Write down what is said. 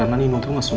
lu jangan nyarang